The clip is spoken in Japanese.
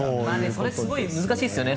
それすごく難しいですよね。